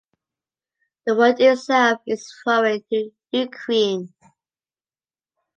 The word itself is foreign to Ukraine.